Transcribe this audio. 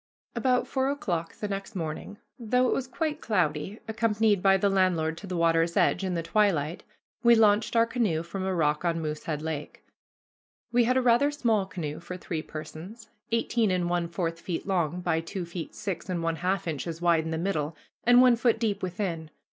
About four o'clock the next morning, though it was quite cloudy, accompanied by the landlord to the water's edge, in the twilight, we launched our canoe from a rock on Moosehead Lake. We had a rather small canoe for three persons, eighteen and one fourth feet long by two feet six and one half inches wide in the middle, and one foot deep within.